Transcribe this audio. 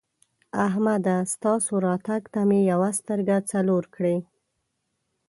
احمده! ستاسو راتګ ته مې یوه سترګه څلور کړې.